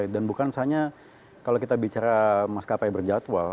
dan bukan hanya kalau kita bicara maskapai berjadwal